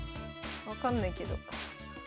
分かんないけど。